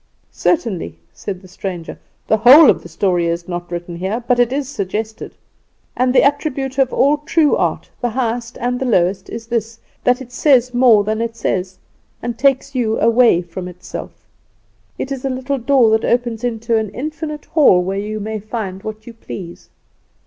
"Certainly," said the stranger, "the whole of the story is not written here, but it is suggested. And the attribute of all true art, the highest and the lowest, is this that it rays more than it says, and takes you away from itself. It is a little door that opens into an infinite hall where you may find what you please.